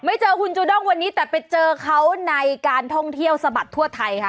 เจอคุณจูด้งวันนี้แต่ไปเจอเขาในการท่องเที่ยวสะบัดทั่วไทยค่ะ